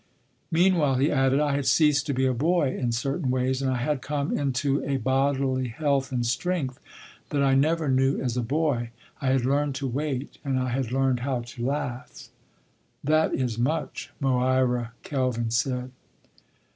"Meanwhile," he added, "I had ceased to be a boy in certain ways, and I had come into a bodily health and strength that I never knew as a boy. I had learned to wait and I had learned how to laugh—" "That is much," Moira Kelvin said.